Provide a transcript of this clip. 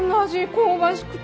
香ばしくて。